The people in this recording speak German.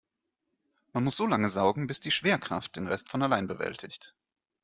Man muss so lange saugen, bis die Schwerkraft den Rest von allein bewältigt.